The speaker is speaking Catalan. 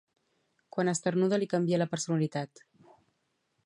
Quan esternuda, li canvia la personalitat.